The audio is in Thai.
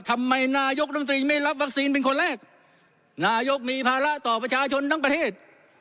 ทำไมนายกรมตรีไม่รับวัคซีนเป็นคนแรกนายกมีภาระต่อประชาชนทั้งประเทศ